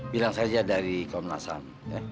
bilang saja dari komnasam